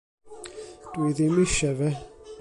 Dw i ddim eisiau fe.